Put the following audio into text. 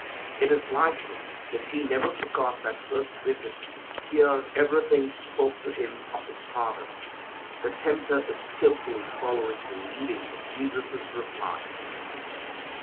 It is likely that He never forgot that first visit. Here everything spoke to Him of His Father. The tempter is skilfully following the leading of Jesus' reply.